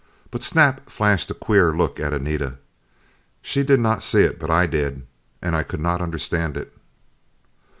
But Snap flashed a queer look at Anita. She did not see it, but I did. And I could not understand it.